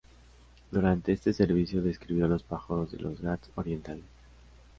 Durante este servicio, describió los pájaros de los Ghats orientales.